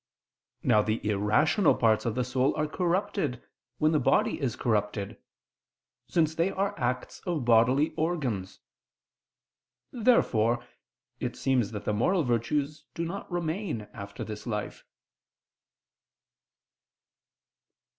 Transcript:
Now the irrational parts of the soul are corrupted, when the body is corrupted: since they are acts of bodily organs. Therefore it seems that the moral virtues do not remain after this life.